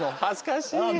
恥ずかしい。